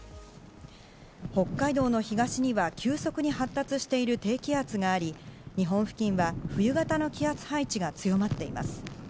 北海道の東には急速に発達している低気圧があり日本付近は冬型の気圧配置が強まっています。